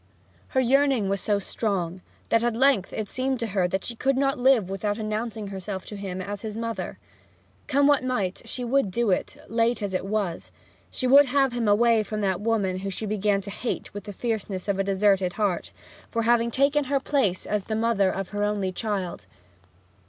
Her yearning was so strong, that at length it seemed to her that she could not live without announcing herself to him as his mother. Come what might, she would do it: late as it was, she would have him away from that woman whom she began to hate with the fierceness of a deserted heart, for having taken her place as the mother of her only child.